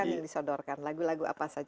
yang disodorkan lagu lagu apa saja